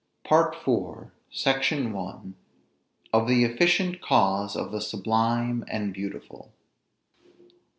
PART IV. SECTION I. OF THE EFFICIENT CAUSE OF THE SUBLIME AND BEAUTIFUL.